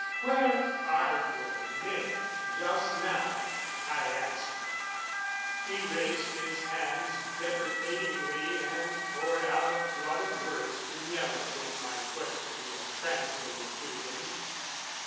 "Where are your men just now?" I asked. He raised his hands deprecatingly and poured out a flood of words to Miela when my question was translated to him.